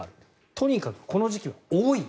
とにかくこの時期は多い。